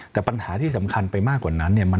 แต่ปัญหาที่สำคัญไปมากกว่านั้นเนี่ย